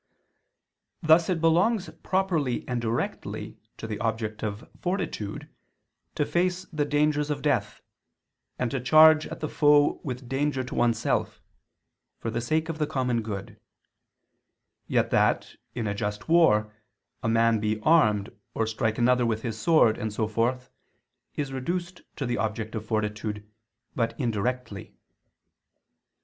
Thus it belongs properly and directly to the object of fortitude, to face the dangers of death, and to charge at the foe with danger to oneself, for the sake of the common good: yet that, in a just war, a man be armed, or strike another with his sword, and so forth, is reduced to the object of fortitude, but indirectly.